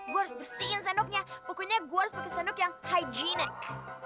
bersihin sendoknya pokoknya gua pakai sendok yang hai jinek